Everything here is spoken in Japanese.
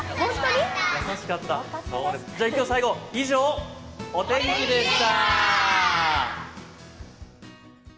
以上、お天気でした！